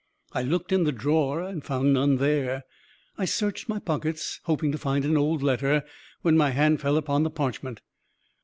I looked in the drawer, and found none there. I searched my pockets, hoping to find an old letter, when my hand fell upon the parchment.